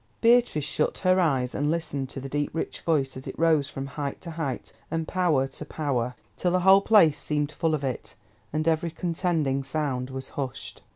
Beatrice shut her eyes and listened to the deep, rich voice as it rose from height to height and power to power, till the whole place seemed full of it, and every contending sound was hushed.